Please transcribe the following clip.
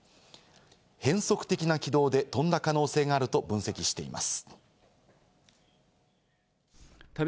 変則的な軌道で飛んだ可能性があると分析しています。